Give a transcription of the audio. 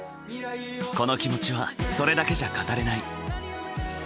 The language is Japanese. この気持ちはそれだけじゃ語れない。